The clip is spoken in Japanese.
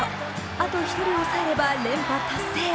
あと１人抑えれば連覇達成。